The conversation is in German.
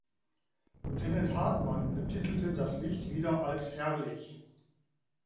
Lieutenant Hartmann betitelt das Licht wieder als herrlich.